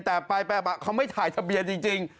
แต่ไปเขาไม่ถ่ายทะเบียนจริง